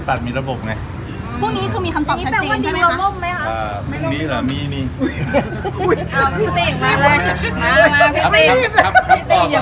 ดังนี้รอร่วมไหมค่ะอ่าอ่าไม่หม่อยโอ้ย